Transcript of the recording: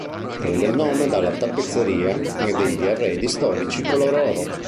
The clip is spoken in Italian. Prende il nome dalla tappezzeria e degli arredi storici color oro.